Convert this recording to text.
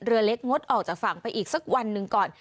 เรือเล็กงดออกจากฝั่งไปอีกสักวันหนึ่งก่อน